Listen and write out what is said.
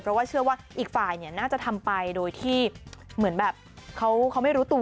เพราะว่าเชื่อว่าอีกฝ่ายน่าจะทำไปโดยที่เหมือนแบบเขาไม่รู้ตัว